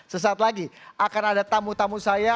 sesaat lagi akan ada tamu tamu saya